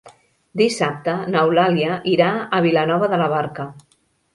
Dissabte n'Eulàlia irà a Vilanova de la Barca.